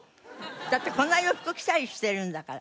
だってこんな洋服着たりしてるんだから。